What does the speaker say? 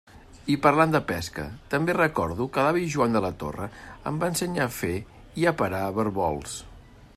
I parlant de pesca, també recordo que l'avi Joan de la Torre em va ensenyar a fer i a parar barbols.